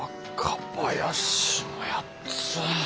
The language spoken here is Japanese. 若林のやつ！